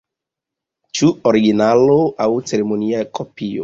Ĉu originalo aŭ ceremonia kopio?